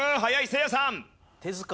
せいやさん。